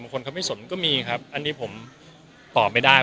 คนเขาไม่สนก็มีครับอันนี้ผมตอบไม่ได้